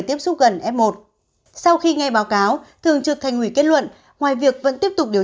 tiếp xúc gần f một sau khi nghe báo cáo thường trực thành ủy kết luận ngoài việc vẫn tiếp tục điều